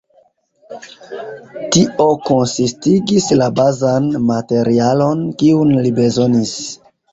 Tio konsistigis la bazan materialon, kiun li bezonis.